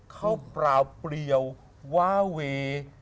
ข้าวเปล่าเปรียววาเวย์